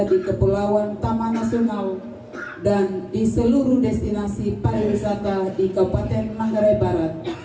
di kepulauan taman nasional dan di seluruh destinasi pariwisata di kabupaten manggarai barat